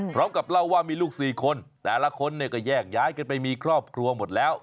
พร้อมกับเล่าว่ามีลูก๔คนแต่ละคนเนี่ยก็แยกย้ายกันไปมีครอบครัวหมดแล้ว